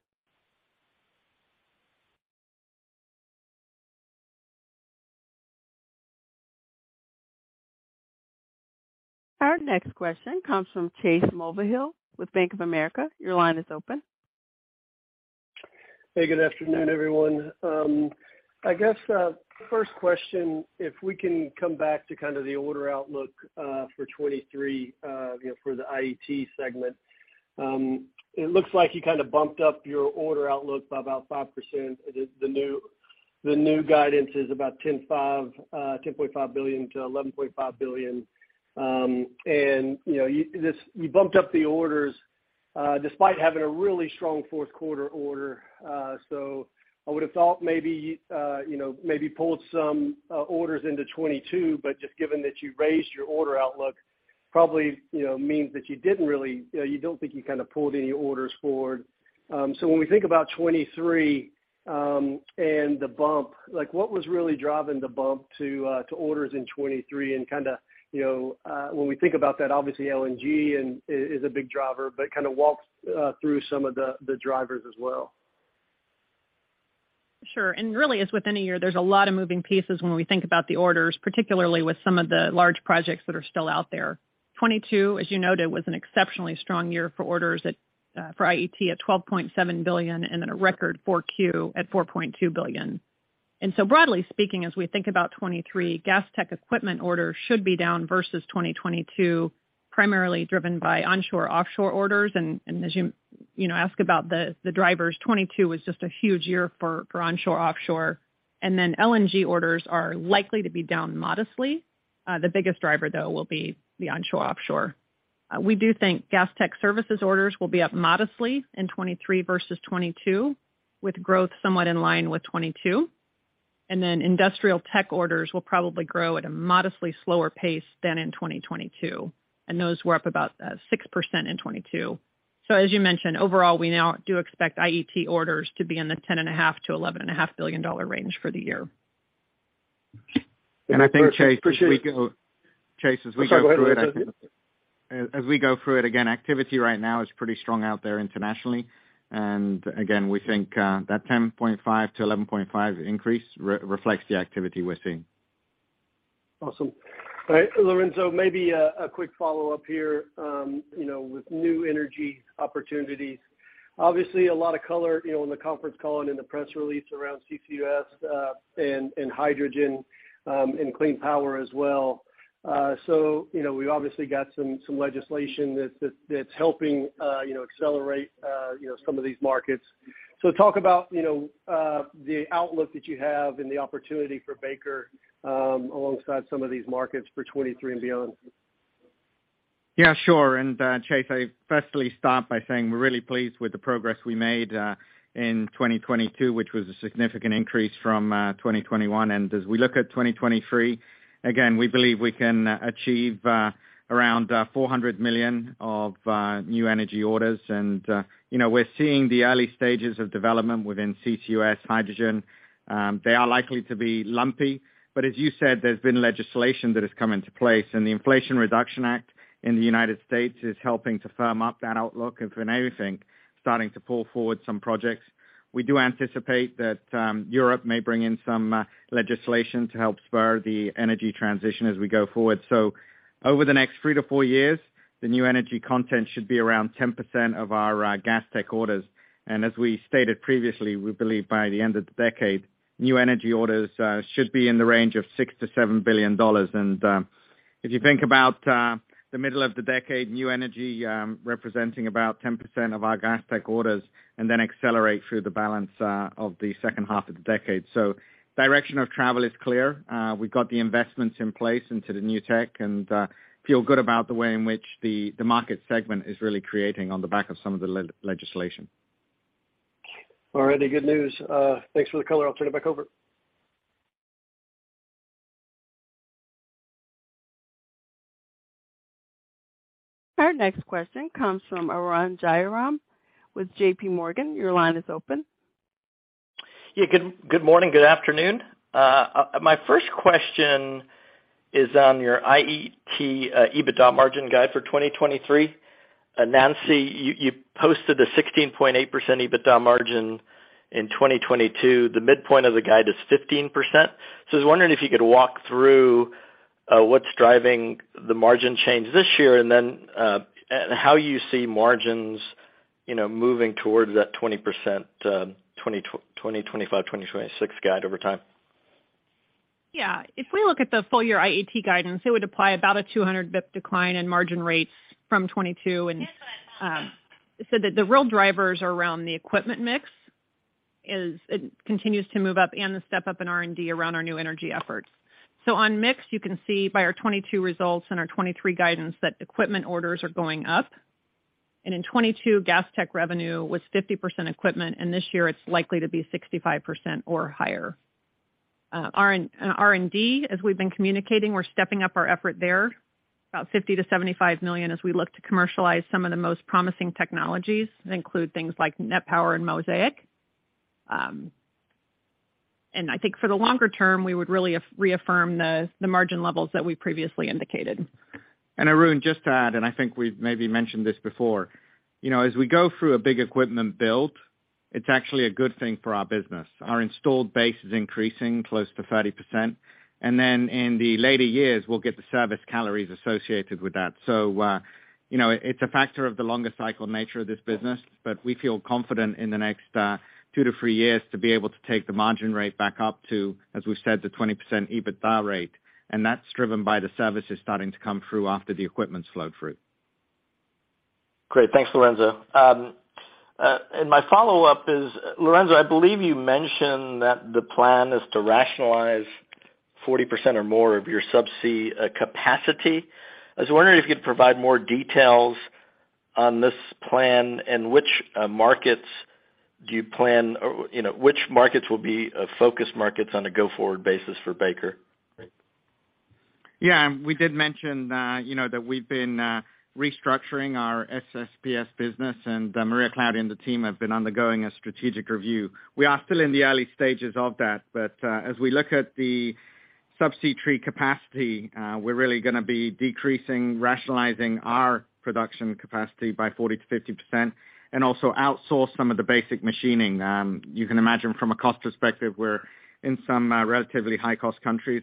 Our next question comes from Chase Mulvehill with Bank of America. Your line is open.
Hey, good afternoon, everyone. I guess, first question, if we can come back to kind of the order outlook for 2023, you know, for the IET segment. It looks like you kind of bumped up your order outlook by about 5%. The new guidance is about ten five, $10.5 billion to $11.5 billion. You know, you bumped up the orders despite having a really strong fourth quarter order. I would have thought maybe, you know, maybe pulled some orders into 2022, but just given that you raised your order outlook, probably, you know, means that you didn't really, you know, you don't think you kind of pulled any orders forward. When we think about 23, and the bump, like what was really driving the bump to orders in 23 and kind of, you know, when we think about that, obviously LNG is a big driver, but kind of walk through some of the drivers as well.
Sure. Really, as with any year, there's a lot of moving pieces when we think about the orders, particularly with some of the large projects that are still out there. 2022, as you noted, was an exceptionally strong year for orders at for IET at $12.7 billion and a record 4Q at $4.2 billion. Broadly speaking, as we think about 2023, Gas Technology Equipment orders should be down versus 2022, primarily driven by onshore/offshore orders. As you know, ask about the drivers, 2022 was just a huge year for onshore/offshore. LNG orders are likely to be down modestly. The biggest driver though will be the onshore/offshore. We do think Gas Technology Services orders will be up modestly in 2023 versus 2022, with growth somewhat in line with 2022. Industrial tech orders will probably grow at a modestly slower pace than in 2022, and those were up about 6% in 2022. As you mentioned, overall, we now do expect IET orders to be in the ten and a half to eleven and a half billion dollar range for the year.
I think, Chase.
Appreciate it.
Chase, as we go through it.
I'm sorry, go ahead, Lorenzo.
As we go through it, again, activity right now is pretty strong out there internationally. Again, we think, that 10.5 to 11.5 increase re-reflects the activity we're seeing.
Awesome. All right, Lorenzo, maybe a quick follow-up here, you know, with new energy opportunities. Obviously a lot of color, you know, in the conference call and in the press release around CCUS, and hydrogen, and clean power as well. You know, we obviously got some legislation that's helping, you know, accelerate, you know, some of these markets. Talk about, you know, the outlook that you have and the opportunity for Baker, alongside some of these markets for 2023 and beyond.
Yeah, sure. Chase, I'd firstly start by saying we're really pleased with the progress we made in 2022, which was a significant increase from 2021. As we look at 2023, again, we believe we can achieve around $400 million of new energy orders. You know, we're seeing the early stages of development within CCUS hydrogen. They are likely to be lumpy. As you said, there's been legislation that has come into place. The Inflation Reduction Act in the United States is helping to firm up that outlook. If anything, starting to pull forward some projects. We do anticipate that Europe may bring in some legislation to help spur the energy transition as we go forward. Over the next three to four years, the new energy content should be around 10% of our Gas Technology orders. As we stated previously, we believe by the end of the decade, new energy orders should be in the range of $6 billion-$7 billion. If you think about the middle of the decade, new energy representing about 10% of our Gas Technology orders and then accelerate through the balance of the second half of the decade. Direction of travel is clear. We've got the investments in place into the new tech and feel good about the way in which the market segment is really creating on the back of some of the legislation.
All right. Good news. Thanks for the color. I'll turn it back over.
Our next question comes from Arun Jayaram with JP Morgan. Your line is open.
Good morning, good afternoon. My first question is on your IET EBITDA margin guide for 2023. Nancy, you posted a 16.8% EBITDA margin in 2022. The midpoint of the guide is 15%. I was wondering if you could walk through what's driving the margin change this year and then how you see margins, you know, moving towards that 20% 2025, 2026 guide over time?
Yeah. If we look at the full year IET guidance, it would apply about a 200 basis points decline in margin rates from 2022. The real drivers around the equipment mix is it continues to move up and the step-up in R&D around our new energy efforts. On mix, you can see by our 2022 results and our 2023 guidance that equipment orders are going up. In 2022, Gas Tech revenue was 50% equipment, and this year it's likely to be 65% or higher. R&D, as we've been communicating, we're stepping up our effort there about $50-75 million as we look to commercialize some of the most promising technologies that include things like NET Power and Mosaic. I think for the longer term, we would really reaffirm the margin levels that we previously indicated.
Arun, just to add, I think we've maybe mentioned this before. You know, as we go through a big equipment build, it's actually a good thing for our business. Our installed base is increasing close to 30%, and then in the later years, we'll get the service calories associated with that. You know, it's a factor of the longer cycle nature of this business, but we feel confident in the next 2-3 years to be able to take the margin rate back up to, as we said, the 20% EBITDA rate, and that's driven by the services starting to come through after the equipment slowed through.
Great. Thanks, Lorenzo. My follow-up is, Lorenzo, I believe you mentioned that the plan is to rationalize 40% or more of your subsea capacity. I was wondering if you'd provide more details on this plan and which markets do you plan or, you know, which markets will be focus markets on a go-forward basis for Baker?
We did mention, you know, that we've been restructuring our SSPS business, and Maria Claudia and the team have been undergoing a strategic review. We are still in the early stages of that, as we look at the subsea tree capacity, we're really gonna be decreasing, rationalizing our production capacity by 40-50% and also outsource some of the basic machining. You can imagine from a cost perspective, we're in some relatively high-cost countries,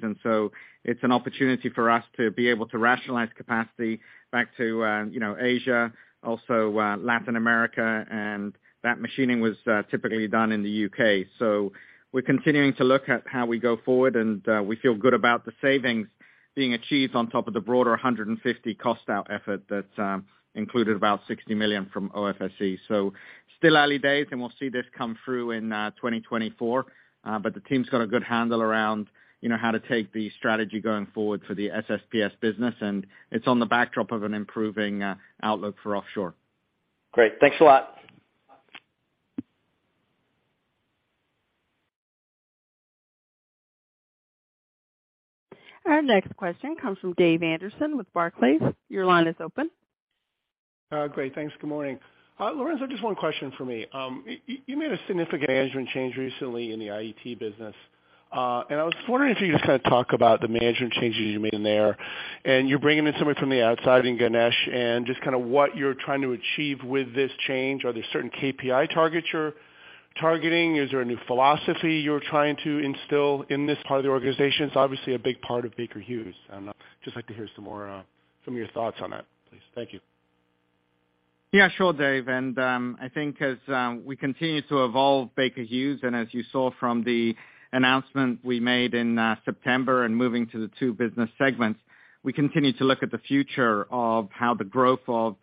it's an opportunity for us to be able to rationalize capacity back to, you know, Asia, also, Latin America, that machining was typically done in the U.K. We're continuing to look at how we go forward, and we feel good about the savings being achieved on top of the broader 150 cost out effort that included about $60 million from OFSE. Still early days, and we'll see this come through in 2024. But the team's got a good handle around, you know, how to take the strategy going forward for the SSPS business, and it's on the backdrop of an improving outlook for offshore.
Great. Thanks a lot.
Our next question comes from David Anderson with Barclays. Your line is open.
Great. Thanks. Good morning. Lorenzo, just one question for me. You made a significant management change recently in the IET business. I was wondering if you could kind of talk about the management changes you made in there. You're bringing in someone from the outside in Ganesh and just kind of what you're trying to achieve with this change. Are there certain KPI targets you're targeting? Is there a new philosophy you're trying to instill in this part of the organization? It's obviously a big part of Baker Hughes. I'd just like to hear some more, some of your thoughts on that, please. Thank you.
Yeah, sure, Dave. I think as we continue to evolve Baker Hughes, and as you saw from the announcement we made in September and moving to the two business segments, we continue to look at the future of how the growth of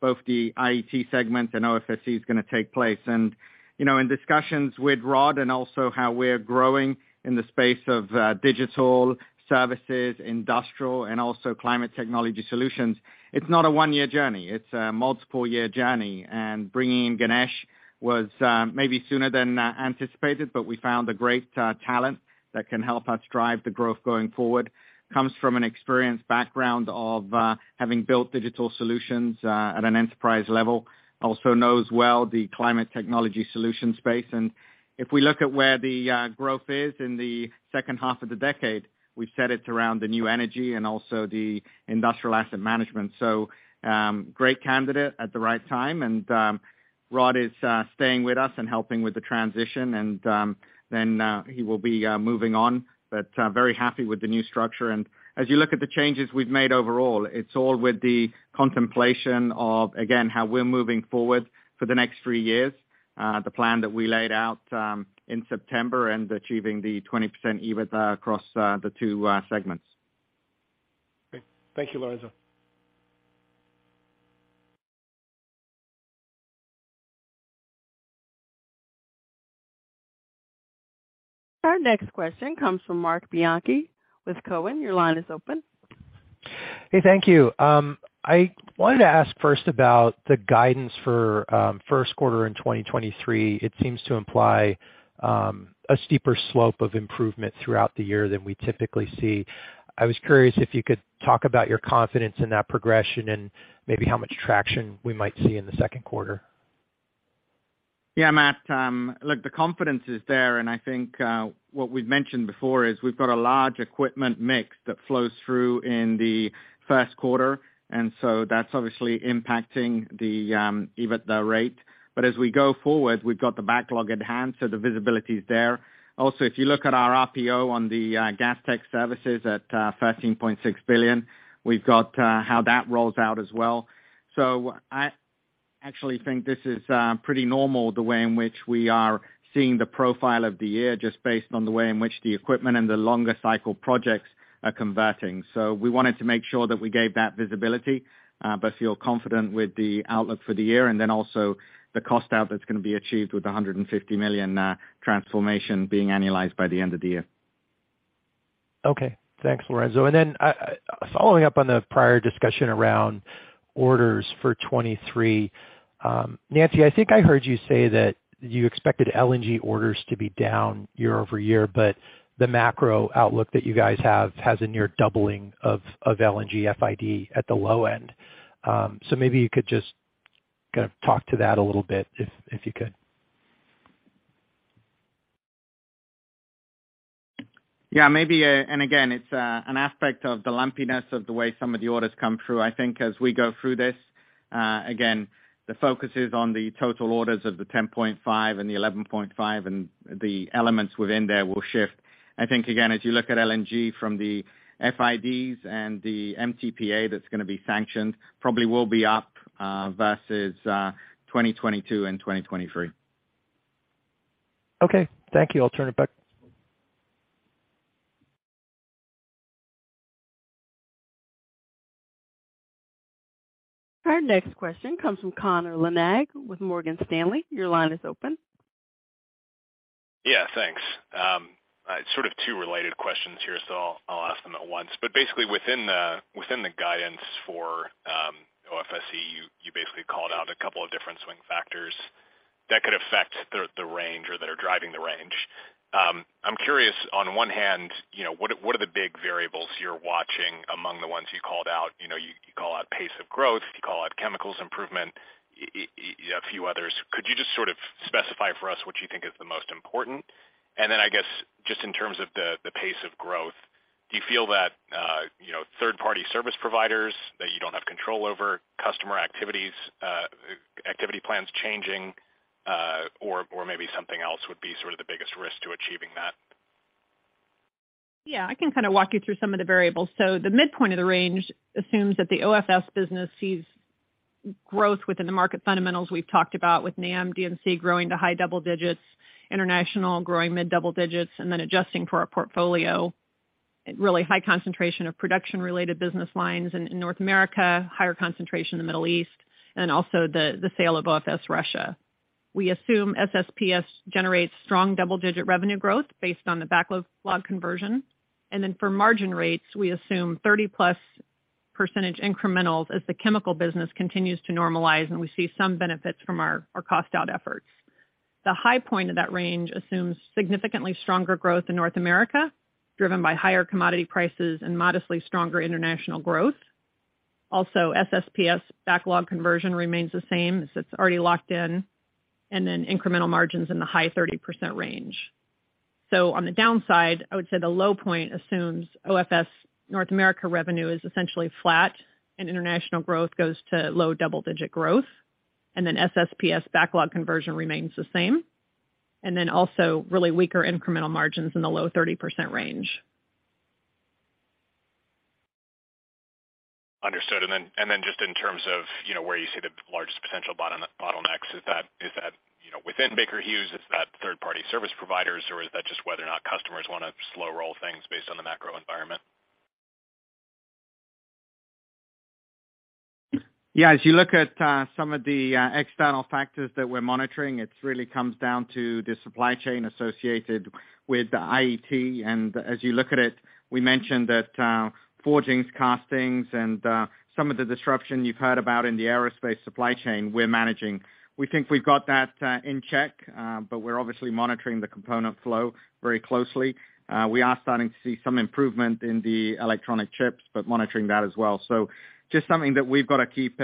both the IET segment and OFSE is gonna take place. You know, in discussions with Rod and also how we're growing in the space of digital services, industrial and also climate technology solutions, it's not a one-year journey, it's a multiple year journey. Bringing in Ganesh was maybe sooner than anticipated, but we found a great talent that can help us drive the growth going forward. Comes from an experienced background of having built digital solutions at an enterprise level. Also knows well the climate technology solution space. If we look at where the growth is in the second half of the decade, we've set it around the new energy and also the industrial asset management. Great candidate at the right time. Rod is staying with us and helping with the transition, then he will be moving on. Very happy with the new structure. As you look at the changes we've made overall, it's all with the contemplation of, again, how we're moving forward for the next three years, the plan that we laid out in September and achieving the 20% EBITDA across the two segments.
Great. Thank you, Lorenzo.
Our next question comes from Marc Bianchi with Cowen. Your line is open.
Hey. Thank you. I wanted to ask first about the guidance for first quarter in 2023. It seems to imply a steeper slope of improvement throughout the year than we typically see. I was curious if you could talk about your confidence in that progression and maybe how much traction we might see in the second quarter.
Marc. Look, the confidence is there. I think what we've mentioned before is we've got a large equipment mix that flows through in the first quarter, and that's obviously impacting the EBITDA rate. As we go forward, we've got the backlog at hand, so the visibility is there. If you look at our RPO on the Gas Technology Services at $13.6 billion, we've got how that rolls out as well. I actually think this is pretty normal the way in which we are seeing the profile of the year just based on the way in which the equipment and the longer cycle projects are converting. We wanted to make sure that we gave that visibility, but feel confident with the outlook for the year and then also the cost out that's gonna be achieved with the $150 million transformation being annualized by the end of the year.
Okay. Thanks, Lorenzo. Following up on the prior discussion around orders for 2023, Nancy, I think I heard you say that you expected LNG orders to be down year-over-year, the macro outlook that you guys have has a near doubling of LNG FID at the low end. Maybe you could. Kind of talk to that a little bit if you could.
Maybe, again, it's an aspect of the lumpiness of the way some of the orders come through. I think as we go through this, again, the focus is on the total orders of the 10.5 and the 11.5, and the elements within there will shift. I think, again, as you look at LNG from the FIDs and the mtpa that's gonna be sanctioned, probably will be up versus 2022 and 2023.
Okay. Thank you. I'll turn it back.
Our next question comes from Connor Lynagh with Morgan Stanley. Your line is open.
Yeah, thanks. I have sort of two related questions here, so I'll ask them at once. Basically within the, within the guidance for OFSE, you basically called out a couple of different swing factors that could affect the range or that are driving the range. I'm curious on one hand, you know, what are the big variables you're watching among the ones you called out? You know, you call out pace of growth. You call out chemicals improvement. A few others. Could you just sort of specify for us what you think is the most important? I guess, just in terms of the pace of growth, do you feel that, you know, third-party service providers that you don't have control over, customer activities, activity plans changing, or maybe something else would be sort of the biggest risk to achieving that?
I can kind of walk you through some of the variables. The midpoint of the range assumes that the OFS business sees growth within the market fundamentals we've talked about with NAM, D&C growing to high double digits, international growing mid double digits, and then adjusting for our portfolio, really high concentration of production-related business lines in North America, higher concentration in the Middle East, and also the sale of OFS Russia. We assume SSPS generates strong double-digit revenue growth based on the backlog conversion. For margin rates, we assume 30+% incrementals as the chemical business continues to normalize, and we see some benefits from our cost out efforts. The high point of that range assumes significantly stronger growth in North America, driven by higher commodity prices and modestly stronger international growth. SSPS backlog conversion remains the same since it's already locked in, and incremental margins in the high 30% range. On the downside, I would say the low point assumes OFS North America revenue is essentially flat and international growth goes to low double-digit growth, and SSPS backlog conversion remains the same. Also really weaker incremental margins in the low 30% range.
Understood. Then just in terms of, you know, where you see the largest potential bottlenecks, is that, you know, within Baker Hughes, is that third party service providers, or is that just whether or not customers wanna slow roll things based on the macro environment?
Yeah, as you look at some of the external factors that we're monitoring, it really comes down to the supply chain associated with the IET. As you look at it, we mentioned that forgings, castings and some of the disruption you've heard about in the aerospace supply chain we're managing. We think we've got that in check, but we're obviously monitoring the component flow very closely. We are starting to see some improvement in the electronic chips, but monitoring that as well. Just something that we've gotta keep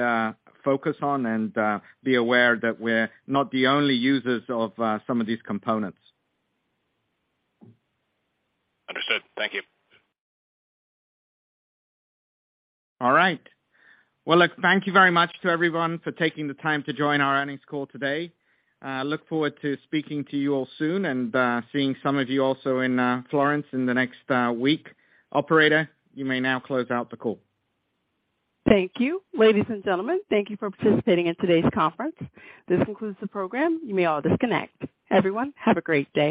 focus on and be aware that we're not the only users of some of these components.
Understood. Thank you.
All right. Well, look, thank you very much to everyone for taking the time to join our earnings call today. Look forward to speaking to you all soon and seeing some of you also in Florence in the next week. Operator, you may now close out the call.
Thank you. Ladies and gentlemen, thank you for participating in today's conference. This concludes the program. You may all disconnect. Everyone, have a great day.